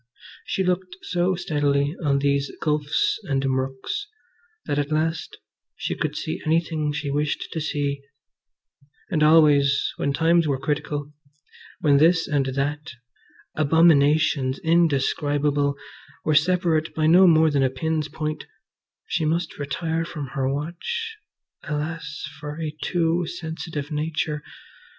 She looked so steadily on these gulfs and murks that at last she could see anything she wished to see; and always, when times were critical, when this and that, abominations indescribable, were separate by no more than a pin's point, she must retire from her watch (alas for a too sensitive nature!)